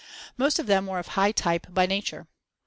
Most of them were of high type by nature.